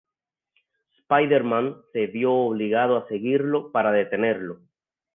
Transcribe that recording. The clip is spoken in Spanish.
Spider-Man se vio obligado a seguirlo para detenerlo.